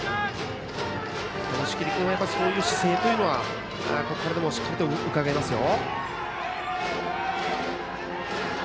押切君のそういう姿勢というのはしっかりとうかがえますよ。